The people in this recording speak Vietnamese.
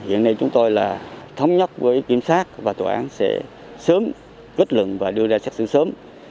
hiện nay chúng tôi là thống nhất với kiểm soát và tòa án sẽ sớm kết lực và đưa ra xác xử sớm